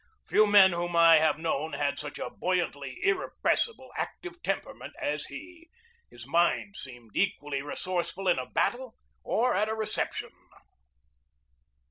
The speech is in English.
Few men whom I have known had such a buoyantly irrepres sible, active temperament as he. His mind seemed equally resourceful in a battle or at a reception.